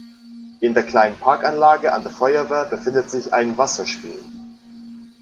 In der kleinen Parkanlage an der Feuerwehr befindet sich ein "Wasserspiel".